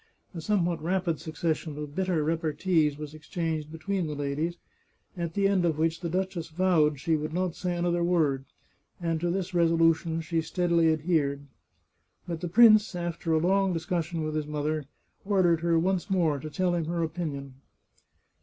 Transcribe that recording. A somewhat rapid succession of bitter repartees was exchanged between the ladies, at the end of which the duchess vowed she would not say another word, and to this resolution she steadily ad hered. But the prince, after a long discussion with his mother, ordered her once more to tell him her opinion.